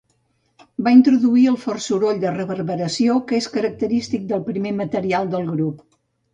Va introduir el fort soroll de reverberació que és característic del primer material del grup.